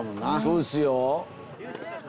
そうですよ。